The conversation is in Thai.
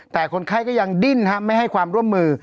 แต่คนไข้ก็ยังดิ้นไม่ให้ความร่วมมือ